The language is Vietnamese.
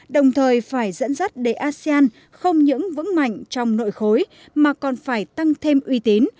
đồng thời phải dẫn dắt để asean không những vững mạnh trong nội khối mà còn phải tăng thêm uy tín